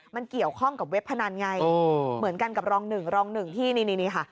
มันเกี่ยวข้องกับเว็บพนันไงเหมือนกันกับรองหนึ่งรองหนึ่งที่นี่ค่ะ